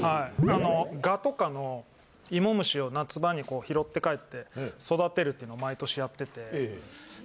あの蛾とかのイモムシを夏場にこう拾って帰って育てるってのを毎年やってて。